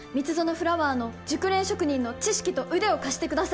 フラワーの熟練職人の知識と腕を貸してください